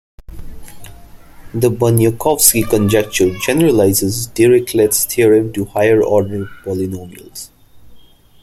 The Bunyakovsky conjecture generalizes Dirichlet's theorem to higher-order polynomials.